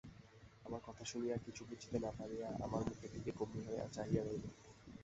আমার কথা শুনিয়া কিছু বুঝিতে না পারিয়া আমার মুখের দিকে গম্ভীর হইয়া চাহিয়া রহিলি।